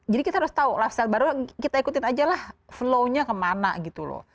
jadi kita harus tahu lifestyle baru kita ikutin aja lah flow nya kemana gitu loh